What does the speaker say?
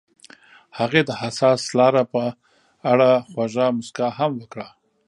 هغې د حساس لاره په اړه خوږه موسکا هم وکړه.